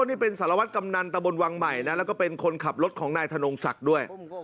นี่เป็นสารวัตรกำนันตะบนวังใหม่นะแล้วก็เป็นคนขับรถของนายธนงศักดิ์ด้วย